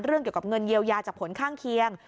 เกี่ยวกับเงินเยียวยาจากผลข้างเคียง